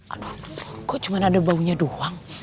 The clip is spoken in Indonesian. aduh kok cuma ada baunya doang